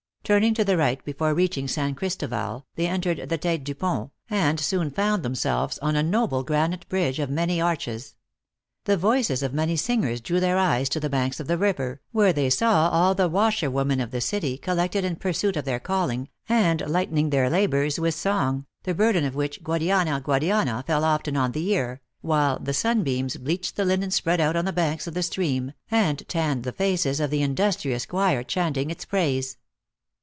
Turning to the right before reaching San Christoval, they entered the tete dupont, and soon found themselves on a noble granite bridge .of many arches. The voices of many singers 286 THE ACTRESS IN HIGH LIFE. drew their eyes to the banks of the river, where they saw all the washerwomen of the city, collected in pur suit of their calling, and lightening their labors with song, the burden of which, " Guadiana, Guadiana," fell often on the ear, while the sun beams bleached the linen spread out on the banks of the stream, and tanned the faces of the industrious choir chanting its praise.